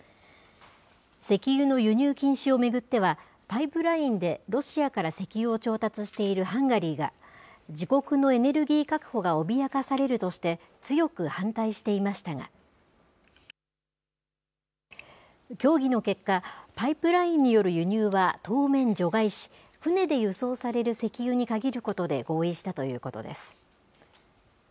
石油の輸入禁止を巡っては、パイプラインでロシアから石油を調達しているハンガリーが、自国のエネルギー確保が脅かされるとして、強く反対していましたが、協議の結果、パイプラインによる輸入は当面除外し、船で輸送される石油に限ることで合意したということです。